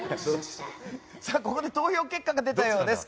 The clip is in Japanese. ここで投票結果が出たようです。